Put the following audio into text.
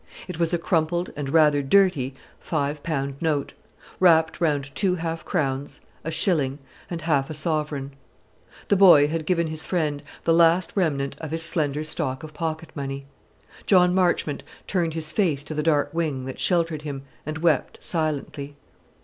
It was a crumpled and rather dirty five pound note, wrapped round two half crowns, a shilling, and half a sovereign. The boy had given his friend the last remnant of his slender stock of pocket money. John Marchmont turned his face to the dark wing that sheltered him, and wept silently.